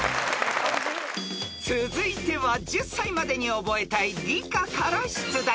［続いては１０才までに覚えたい理科から出題］